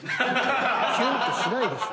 ［キュンとしないでしょ］